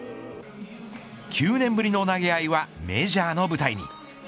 ９年ぶりの投げ合いはメジャーの舞台に。